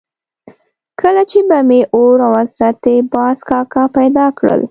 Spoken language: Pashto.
کله چې به مې اور او حضرت باز کاکا پیدا کړل.